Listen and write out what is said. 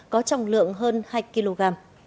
có trọng lượng hơn hai kg